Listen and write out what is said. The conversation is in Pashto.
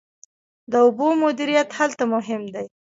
د اوبو مدیریت هلته مهم دی.